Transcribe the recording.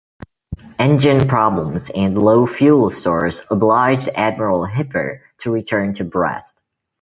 Engine problems and low fuel stores obliged "Admiral Hipper" to return to Brest.